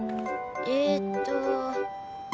えっと。